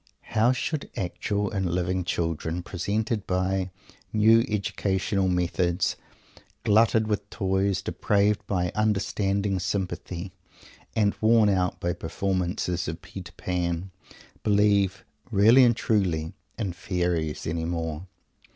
How should actual and living children, persecuted by "New Educational Methods," glutted with toys, depraved by "understanding sympathy," and worn out by performances of "Peter Pan," believe really and truly in fairies any more?